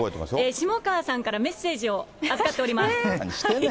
下川さんからメッセージを預かっております。